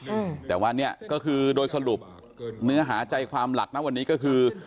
อืมแต่ว่าเนี้ยก็คือโดยสรุปเนื้อหาใจความหลักนะวันนี้ก็คือ